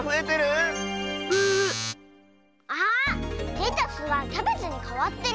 レタスがキャベツにかわってる？